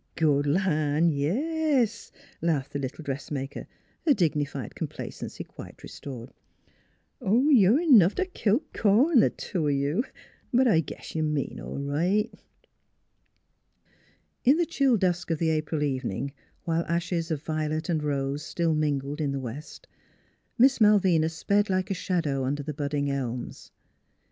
" Good land, yes !" laughed the little dress maker, her dignified complacency quite restored. ' You're 'nough t' kill corn th' two of you ; but, I guess you mean all right." In the chill dusk of the April evening, while ashes of violet and rose still mingled in the west, 84 NEIGHBORS Miss Malvina sped like a shadow under the budding elms.